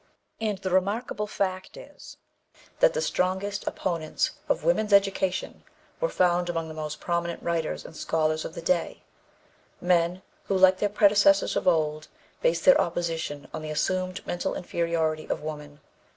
And the remarkable fact is that the strongest opponents of women's education were found among the most prominent writers and scholars of the day men who, like their predecessors of old, based their opposition on the assumed mental inferiority of woman.